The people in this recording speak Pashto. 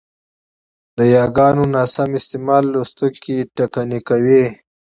د یاګانو ناسم استعمال لوستوونکی ټکنی کوي،